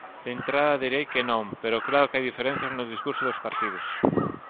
De entrada direi que non, pero claro que hai diferenzas nos discursos dos partidos.